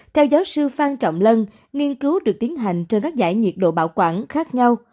theo giáo sư phan trọng lân nghiên cứu được tiến hành trên các giải nhiệt độ bảo quản khác nhau